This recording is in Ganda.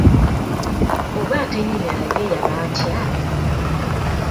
Oba atenyinyala ye yaba atya!